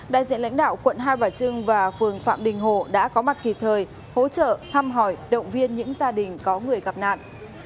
đại diện lãnh đạo quận hai bà trưng và phường phạm đình hồ đã có mặt kịp thời hỗ trợ thăm hỏi động viên những gia đình có người gặp nạn